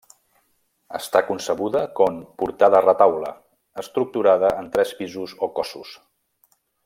Està concebuda com portada-retaule, estructurada en tres pisos o cossos.